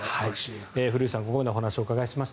古内さんにここまでお話をお伺いしました。